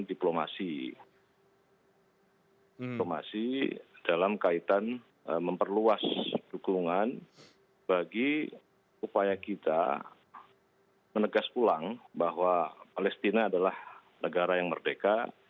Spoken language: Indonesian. diplomasi dalam kaitan memperluas dukungan bagi upaya kita menegaskan pulang bahwa palestina adalah negara yang merdeka